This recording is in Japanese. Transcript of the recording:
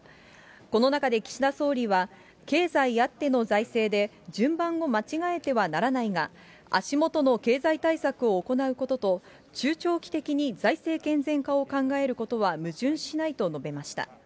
この中で岸田総理は、経済あっての財政で、順番を間違えてはならないが、足元の経済対策を行うことと、中長期的に財政健全化を考えることは矛盾しないと述べました。